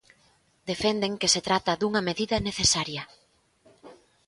Defenden que se trata dunha medida necesaria.